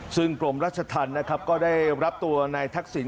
ซึ่งกรมราชธรรมนะครับก็ได้รับตัวนายทักษิณ